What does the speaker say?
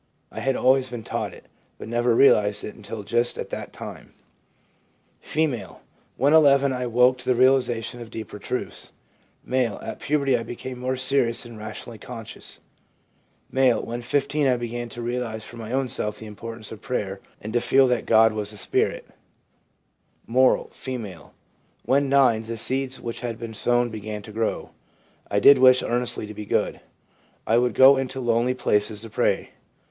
I had always been taught it, but never realised it until just at that time/ F. 'When n I awoke to the realisation of deeper truths/ M. 'At puberty I became more serious and rationally conscious.' M. 'When 15 I began to realise ADOLESCENCE— SPONTANEOUS AWAKENINGS 197 for myself the importance of prayer, and to feel that God was a Spirit/ Moral. — F. ' When 9 the seeds which had been sown began to grow. I did wish earnestly to be good. I would go into lonely places to pray/ F.